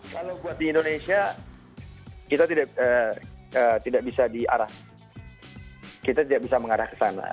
kalau buat di indonesia kita tidak bisa diarah kita tidak bisa mengarah ke sana